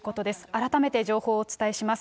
改めて情報をお伝えします。